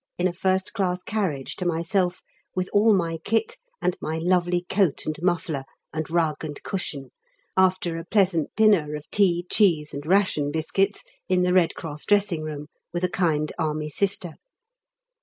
in a 1st class carriage to myself with all my kit, and my lovely coat and muffler, and rug and cushion, after a pleasant dinner of tea, cheese, and ration biscuits in the Red Cross Dressing Room, with a kind Army Sister.